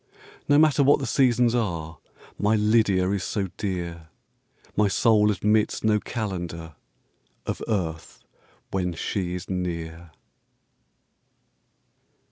No matter what the Seasons are, My LYDIA is so dear, My soul admits no Calendar Of earth when she is near.